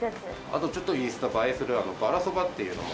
あとちょっとインスタ映えするバラそばっていうのも。